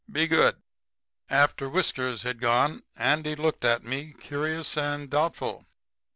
Be good.' "After Whiskers had gone Andy looked at me curious and doubtful.